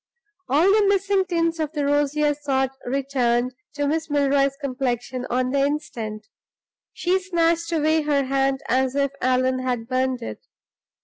All the missing tints of the rosier sort returned to Miss Milroy's complexion on the instant. She snatched away her hand as if Allan had burned it.